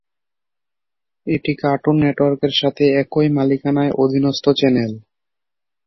এটি কার্টুন নেটওয়ার্কের সাথে একই মালিকানার অধীনস্থ চ্যানেল।